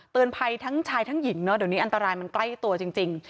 ภัยทั้งชายทั้งหญิงเนอะเดี๋ยวนี้อันตรายมันใกล้ตัวจริง